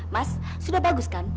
mas sudah bagus kan